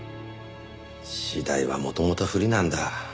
私大は元々不利なんだ。